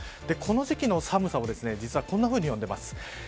この時期の寒さを実はこんなふうに呼んでいます。